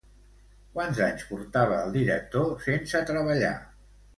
Quants anys portava el director sense treballar?